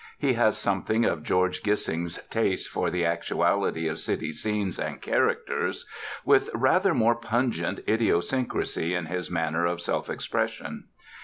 He has something of George Gissing's taste for the actuality of city scenes and characters, with rather more pungent idiosyncrasy in his manner of self expression.